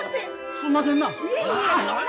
すんませんな。